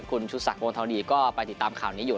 คุณชุดสักวงธรรมดีก็ไปติดตามข่าวนี้อยู่